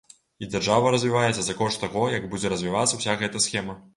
І дзяржава развіваецца за кошт таго, як будзе развівацца ўся гэта схема.